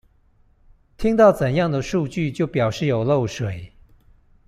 聽到怎樣的數據就表示有漏水